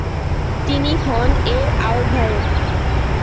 তিনি হন এর আহ্বায়ক।